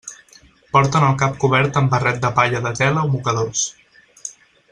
Porten el cap cobert amb barret de palla de tela o mocadors.